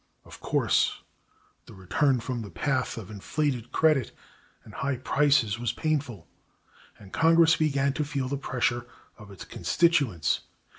Of course, the return from the path of inflated credit and high prices was painful, and Congress began to feel the pressure of its constituents.